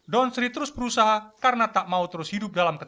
don sri terus berusaha karena tak mau terus hidup dalam kota ini